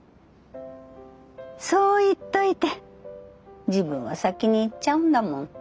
そう言っといて自分は先に逝っちゃうんだもん。